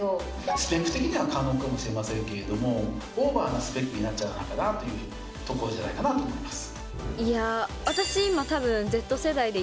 スペック的には可能かもしれませんけれどもオーバーなスペックになっちゃうんじゃないかなというところじゃないかなと思います。